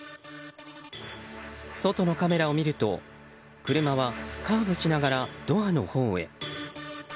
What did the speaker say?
外のカメラを見ると車はカーブしながらドアのほうへ。